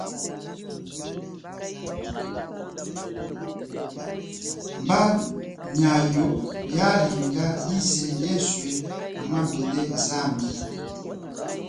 Mba noa yalinga yize yeswe amwambile zambi.